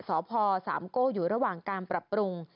สพสามโก้อยู่ระหว่างการปรับปรุง